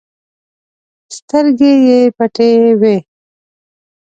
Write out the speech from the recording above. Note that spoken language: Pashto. سترګې یې پټې وي.